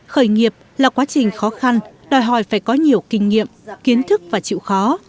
khởi nghiệp là quá trình khó khăn đòi hỏi phải có nhiều kinh nghiệm kiến thức và chịu khó